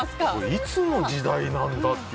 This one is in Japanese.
いつの時代なんだって。